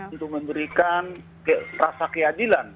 untuk memberikan rasa keadilan